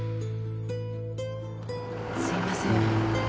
すいません。